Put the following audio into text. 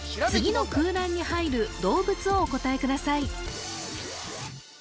次の空欄に入る動物をお答えください